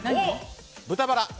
豚バラ。